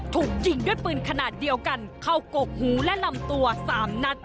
ถูกยิงด้วยปืนขนาดเดียวกันเข้ากกหูและลำตัว๓นัด